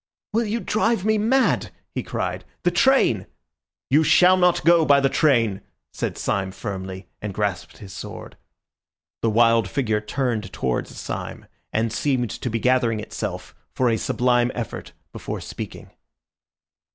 "Will you drive me mad?" he cried. "The train—" "You shall not go by the train," said Syme firmly, and grasped his sword. The wild figure turned towards Syme, and seemed to be gathering itself for a sublime effort before speaking.